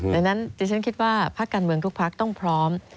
ดังนั้นดิฉันคิดว่าภาคการเมืองทุกพักต้องพร้อม